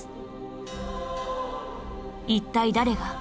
一体誰が？